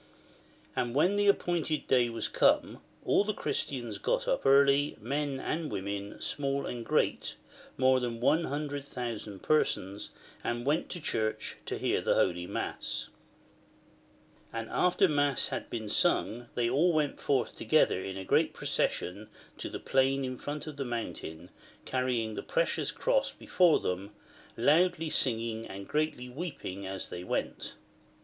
And when the appointed day was come, all the Christians got up early, men and women, small and great, more than 100,000 persons, and went to church, and heard the Holy Mass, And after Mass had been sung, they all went forth together in a great procession to the plain in front of the mountain, carrying the precious cross before them, loudly singing and greatly weeping as they went.